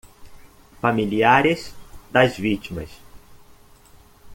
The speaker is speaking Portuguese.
Familiares das vítimas